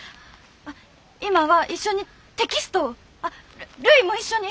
あっ今は一緒にテキストをあっるいも一緒に！